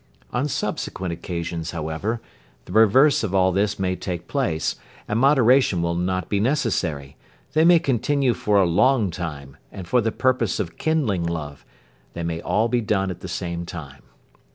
On subsequent occasions, however, the reverse of all this may take place, and moderation will not be necessary, they may continue for a long time, and for the purpose of kindling love, they may be all done at the same time.